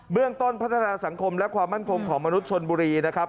เรื่องต้นพัฒนาสังคมและความมั่นคงของมนุษย์ชนบุรีนะครับ